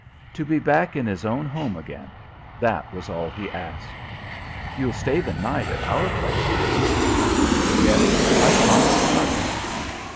To be back in his own home again that was all he asked. "You'll stay the night at our place, Jenny?" "Yes; I promised your mother."